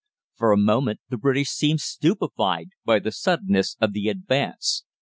For a moment the British seemed stupefied by the suddenness of the advance.